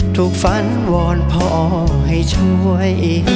ถูกฝันวอนพ่อให้ช่วย